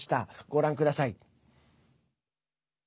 ご覧ください。